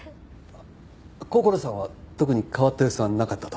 こころさんは特に変わった様子はなかったと？